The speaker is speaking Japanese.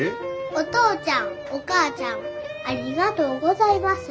お父ちゃんお母ちゃんありがとうございます。